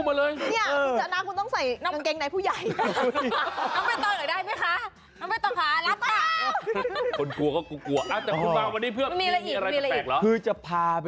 มูห่าว